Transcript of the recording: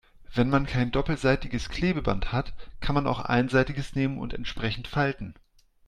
Wenn man kein doppelseitiges Klebeband hat, kann man auch einseitiges nehmen und entsprechend falten.